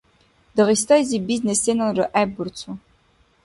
Дагъистайзиб бизнес сеналра гӏеббурцу…